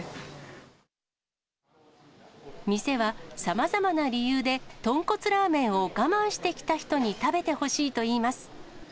店は、さまざまな理由で豚骨ラーメンを我慢してきた人に食べてほしいといいます。